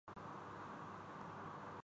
اگر ایسا نہیں کیا گیا تو وقت پڑنے پر